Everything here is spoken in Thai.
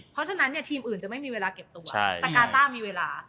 เพราะฉะนั้นเนี่ยทีมอื่นจะไม่มีเวลาเก็บตัวแต่กาต้ามีเวลา